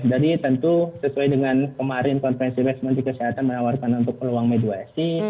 jadi tentu sesuai dengan kemarin konferensi resmi di kesehatan menawarkan untuk peluang mediasi